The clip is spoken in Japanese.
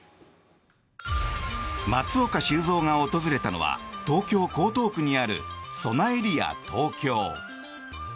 松岡修造が訪れたのは東京・江東区にあるそなエリア東京。